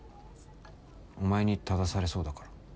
お前に正されそうだから。